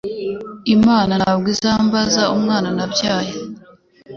IMana ntabwo izambaza n'umwana nabyaye